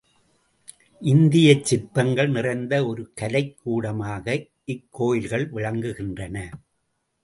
இந்திய சிற்பங்கள் நிறைந்த ஒரு கலைக் கூடமாக இக்கோயில்கள் விளங்குகின்றன.